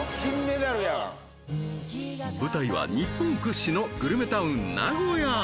舞台は日本屈指のグルメタウン